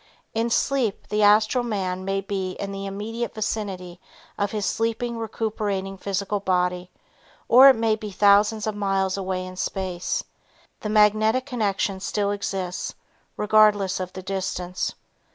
In sleep the astral man may be in the immediate vicinity of his sleeping recuperating physical body or it may be thousands of miles away in space, the magnetic connection still exists regardless of the distance.